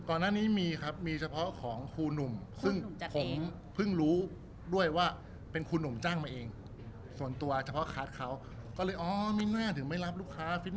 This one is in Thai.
ก่อนหน้านี้มีครับมีเฉพาะของครูหนุ่มซึ่งผมเพิ่งรู้ด้วยว่าเป็นครูหนุ่มจ้างมาเองส่วนตัวเฉพาะคาร์ดเขาก็เลยอ๋อมิน่าถึงไม่รับลูกค้าฟิต